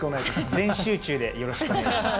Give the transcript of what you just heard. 全集中でよろしくお願いします。